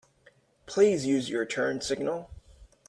Please use your turn signal.